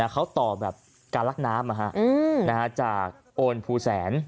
เขาต่อแบบการลักน้ำจากโอนภูแสน